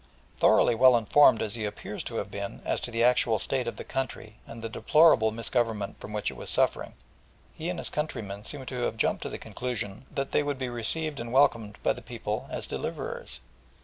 Thoroughly well informed as he appears to have been, as to the actual state of the country and the deplorable misgovernment from which it was suffering, he and his countrymen seem to have jumped to the conclusion that they would be received and welcomed by the people as deliverers.